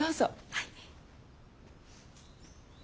はい。